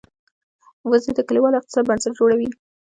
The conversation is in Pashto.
وزې د کلیوالو اقتصاد بنسټ جوړوي